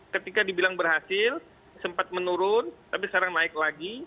ketika dibilang berhasil sempat menurun tapi sekarang naik lagi